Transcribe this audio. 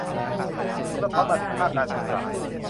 ซึ่งสะท้อนมาถึงภาคการศึกษา